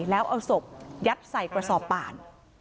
แล้วเอาศพยัดใส่กระสอบป่าน